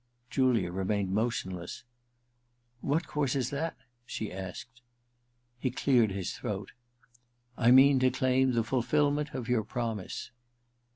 Julia remained motionless. *What course is that }' she asked. He cleared his throat. ' I mean to claim the fulfilment of your promise.'